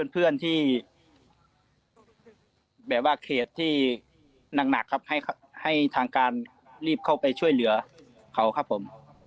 เพื่อนที่แบบว่าเขตที่หนักครับให้ทางการรีบเข้าไปช่วยเหลือเขาครับผม